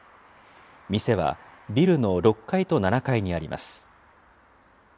店はビルの６階と７階にあります。